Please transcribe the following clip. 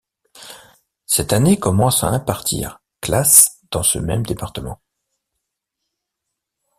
Cette année commence à impartir classes dans ce même département.